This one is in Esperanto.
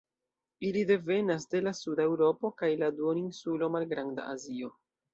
Ili devenas de la suda Eŭropo kaj la duoninsulo Malgranda Azio.